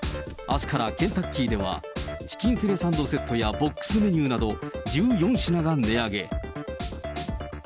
あすからケンタッキーでは、チキンフィレサンドセットやボックスメニューなど、１４品が値上げ。